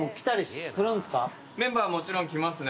メンバーもちろん来ますね。